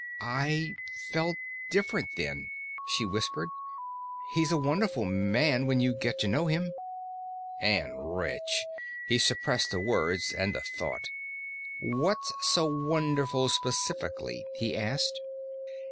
"I felt different then," she whispered. "He's a wonderful man when you get to know him." And rich. He suppressed the words and the thought. "What's so wonderful specifically?" he asked.